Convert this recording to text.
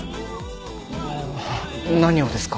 ああ何をですか？